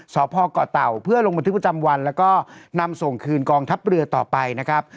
สพเกาะเต่าเพื่อลงบันทึกประจำวันแล้วก็นำส่งคืนกองทัพเรือต่อไปนะครับ